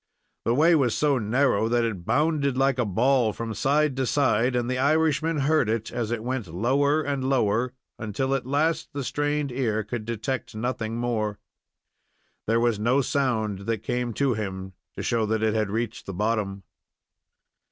The way was so narrow that it bounded like a ball from side to side, and the Irishman heard it as it went lower and lower, until at last the strained ear could detect nothing more. There was no sound that came to him to show that it had reached the bottom.